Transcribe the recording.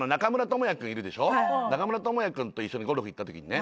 中村倫也君と一緒にゴルフ行ったときにね。